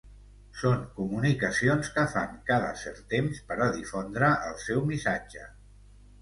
Són comunicacions que fan cada cert temps per a difondre el seu missatge.